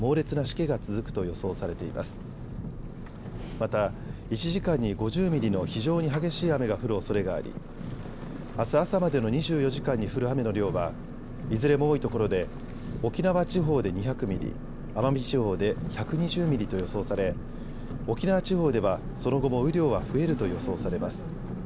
また１時間に５０ミリの非常に激しい雨が降るおそれがありあす朝までの２４時間に降る雨の量はいずれも多いところで沖縄地方で２００ミリ、奄美地方で１２０ミリと予想され沖縄地方ではその後も雨量は増えると予想されます。